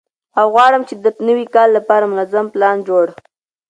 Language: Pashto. او غواړم چې د نوي کال لپاره منظم پلان جوړ